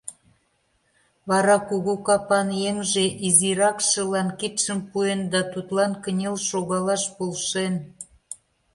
Вара кугу капан еҥже изиракшылан кидшым пуэн да тудлан кынел шогалаш полшен.